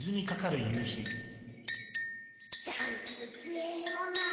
シャンクス強えもんな。